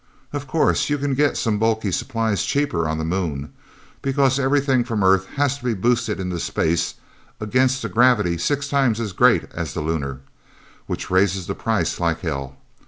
Of course you can get some bulky supplies cheaper on the Moon, because everything from Earth has to be boosted into space against a gravity six times as great as the lunar, which raises the price like hell.